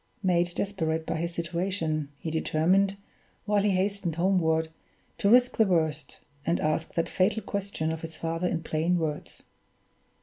Made desperate by his situation, he determined, while he hastened homeward, to risk the worst, and ask that fatal question of his father in plain words.